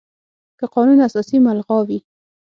که قانون اساسي ملغا وي،